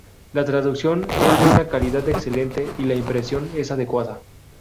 La traducción es de una calidad excelente y la impresión es adecuada.